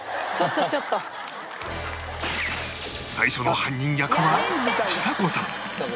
最初の犯人役はちさ子さん